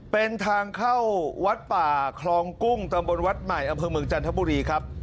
เป็นทางเข้าวัดป่าคลองกุ้งตำบลวัดใหม่อำเภอเมืองจันทบุรีครับ